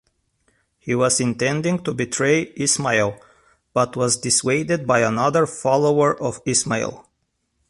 He was intending to betray Ismail but was dissuaded by another follower of Ismail.